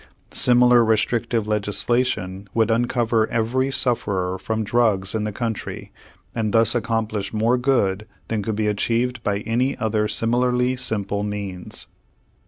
Similar restrictive legislation would uncover every sufferer from drugs in the country and thus accomplish more good than could be achieved by any other similarly simple means.